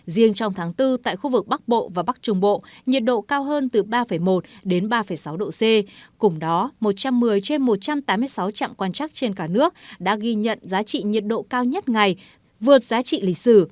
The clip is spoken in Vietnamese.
riêng trong tháng bốn tại khu vực bắc bộ và bắc trung bộ nhiệt độ cao hơn từ ba một đến ba sáu độ c cùng đó một trăm một mươi trên một trăm tám mươi sáu trạm quan chắc trên cả nước đã ghi nhận giá trị nhiệt độ cao nhất ngày vượt giá trị lịch sử